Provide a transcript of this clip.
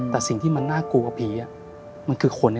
แต่สิ่งที่มันน่ากลัวกว่าผีมันคือคน